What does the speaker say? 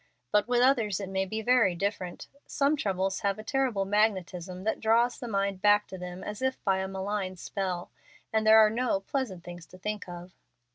But with others it may be very different. Some troubles have a terrible magnetism that draws the mind back to them as if by a malign spell, and there are no 'pleasant things to think of.'"